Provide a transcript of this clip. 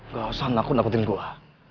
gak usah naku dapetin gue